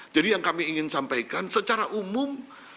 jadi yang kami ingin sampaikan secara umum